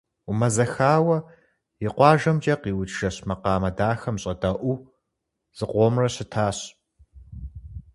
Умэзэхауэ, и къуажэмкӀэ къиӀукӀ жэщ макъамэ дахэм щӀэдэӀуу, зыкъомрэ щытащ.